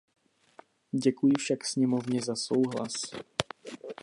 Děkuji však sněmovně za souhlas.